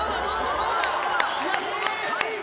どうだ？